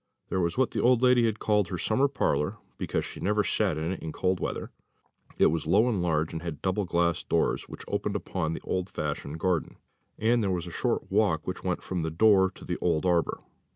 There was what the old lady had called her summer parlour, because she never sat in it in cold weather; it was low and large, and had double glass doors, which opened upon the old fashioned garden; and there was a short walk which went from the door to the old arbour.